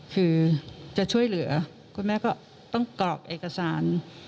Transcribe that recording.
คือจะช่วยเหลือคุณแม่ก็ต้องกรอกเอกสาร